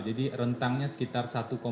jadi rentangnya sekitar satu dua